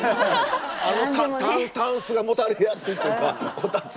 あのタンスがもたれやすいとかこたつあって。